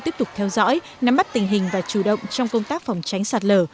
tiếp tục theo dõi nắm bắt tình hình và chủ động trong công tác phòng tránh sạt lở